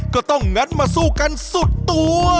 ก็ต้องงัดมาสู้กันสุดตัว